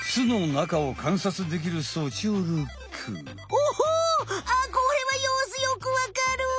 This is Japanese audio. おああこれはようすよくわかる！